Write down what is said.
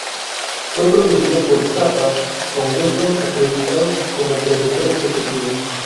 Fue producido por Zappa, con Wilson acreditado como productor ejecutivo.